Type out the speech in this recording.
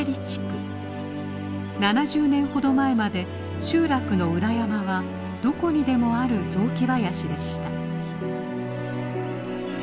７０年ほど前まで集落の裏山はどこにでもある雑木林でした。